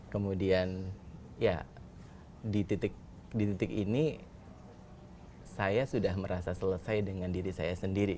kemudian ya di titik ini saya sudah merasa selesai dengan diri saya sendiri